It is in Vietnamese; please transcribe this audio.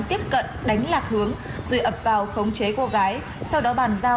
tiếp cận đánh lạc hướng rồi ập vào khống chế cô gái sau đó bàn giao